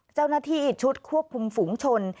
เจ้าหน้าที่ชุดควบคุมฝูงชน